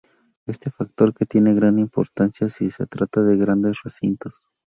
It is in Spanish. Este factor que tiene gran importancia si se trata de grandes recintos.